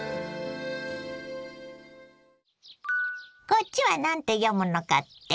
こっちは何て読むのかって？